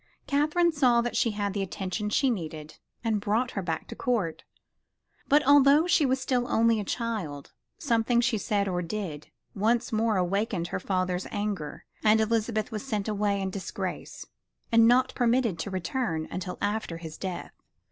Catherine saw that she had the attention she needed and brought her back to Court, but although she was still only a child something she said or did once more awakened her father's anger, and Elizabeth was sent away in disgrace and not permitted to return until after his death.